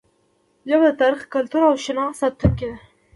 ژبه د تاریخ، کلتور او شناخت ساتونکې ده.